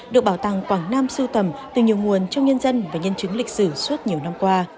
được bảo tàng quảng nam sưu tầm từ nhiều nguồn trong nhân dân và nhân chứng lịch sử suốt nhiều năm qua